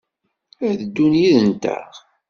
A ddun yid-nteɣ?